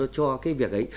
cho cái việc ấy